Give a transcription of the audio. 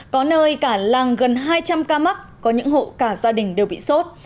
có nơi cả làng gần hai trăm linh ca mắc có những hộ cả gia đình đều bị sốt